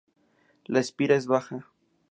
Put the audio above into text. La espira es baja.